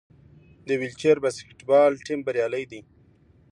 د ویلچیر باسکیټبال ټیم بریالی دی.